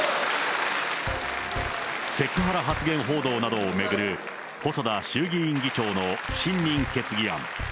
セクハラ発言報道などを巡る細田衆議院議長の不信任決議案。